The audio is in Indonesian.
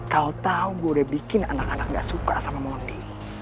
kalo tau gue udah bikin anak anak gak suka sama moni